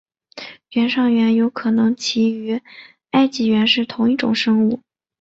原上猿有可能其实与埃及猿是同一种生物。